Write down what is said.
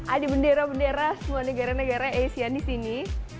ada bendera bendera semua negara negara asian di sini